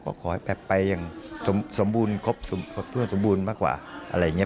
ขอให้แพทย์ไปอย่างสมบูรณ์ครบเพื่อสมบูรณ์มากกว่าอะไรอย่างนี้